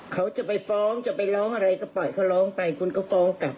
เขาจะไปฟ้องจะไปร้องอะไรก็ปล่อยเขาร้องไปคุณก็ฟ้องกลับ